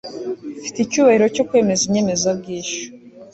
Mfite icyubahiro cyo kwemeza inyemezabwishyu